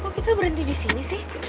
kok kita berhenti di sini sih